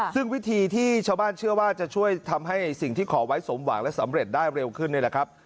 ซึ่งวิธีที่ชาวบ้านเชื่อว่าจะช่วยทำให้สิ่งที่ขอไว้สมหวังและสำเร็จได้เร็วขึ้นนี่แหละครับ